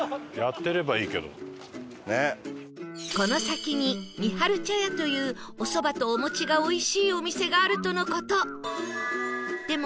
この先に三春茶屋というお蕎麦とお餅が美味しいお店があるとの事